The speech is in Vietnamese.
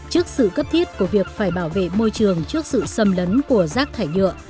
trước sự cấp thiết của việc phải bảo vệ môi trường trước sự xâm lấn của rác thải nhựa